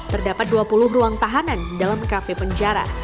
terdapat dua puluh ruang tahanan dalam kafe penjara